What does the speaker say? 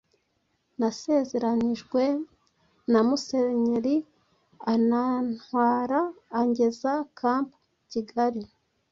nasezeranyijwe na Musenyeri aranantwara angeza Camp Kigali